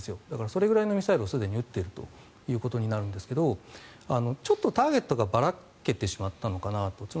だから、それぐらいのミサイルをすでに撃っていることになるんですがちょっとターゲットがばらけてしまったのかなと。